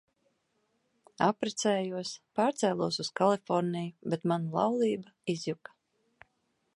Apprecējos, pārcēlos uz Kaliforniju, bet mana laulība izjuka.